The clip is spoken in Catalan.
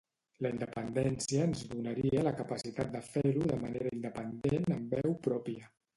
La independència ens donaria la capacitat de fer-ho de manera independent amb veu pròpia